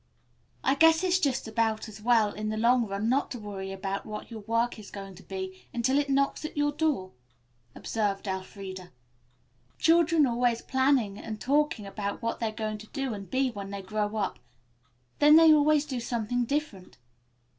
"I guess it's just about as well in the long run not to worry about what your work is going to be until it knocks at your door," observed Elfreda. "Children are always planning and talking about what they're going to do and be when they grow up; then they always do something different.